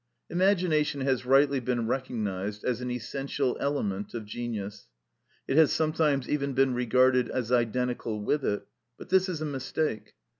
Imagination has rightly been recognised as an essential element of genius; it has sometimes even been regarded as identical with it; but this is a mistake.